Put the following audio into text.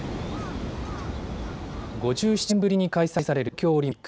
５７年ぶりに開催される東京オリンピック。